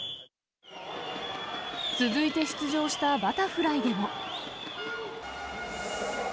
続いて出場したバタフライでも。